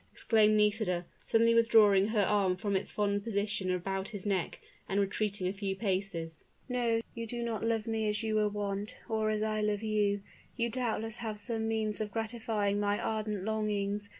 exclaimed Nisida, suddenly withdrawing her arm from its fond position about his neck, and retreating a few paces. "No; you do not love me as you were wont, or as I love you! You doubtless have some means of gratifying my ardent longings.